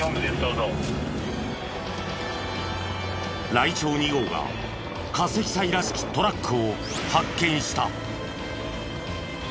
らいちょうⅡ号が過積載らしきトラックを発見した。